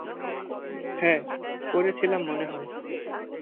হ্যাঁ, করেছিলাম মনে হয়।